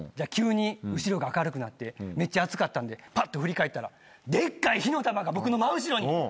急に後ろが明るくなってめっちゃ熱かったんでぱっと振り返ったらでっかい火の玉が僕の真後ろに！